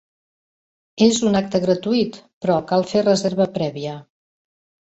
És un acte gratuït, però cal fer reserva prèvia.